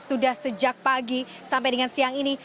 sudah sejak pagi sampai dengan siang ini